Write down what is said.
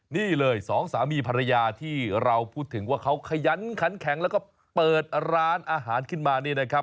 นี่เลยสองสามีภรรยาที่เราพูดถึงว่าเขาขยันขันแข็งแล้วก็เปิดร้านอาหารขึ้นมานี่นะครับ